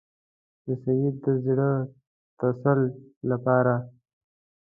د سید د زړه تسل لپاره.